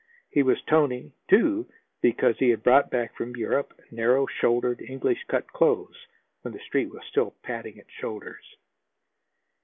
He was "tony," too, because he had brought back from Europe narrow shouldered English cut clothes, when the Street was still padding its shoulders.